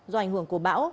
do ảnh hưởng của bão